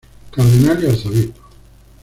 Cardenal y arzobispo.